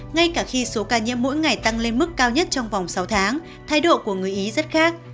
ngay cả khi số ca nhiễm mỗi ngày tăng lên mức cao nhất trong vòng sáu tháng thái độ của người ý rất khác